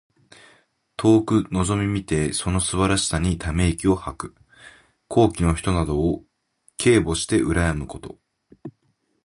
遠くのぞみ見てその素晴らしさにため息を吐く。高貴の人などを敬慕してうらやむこと。